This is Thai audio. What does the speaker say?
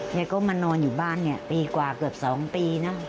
แกก็มานอนอยู่บ้านเนี่ยปีกว่าเกือบ๒ปีนะ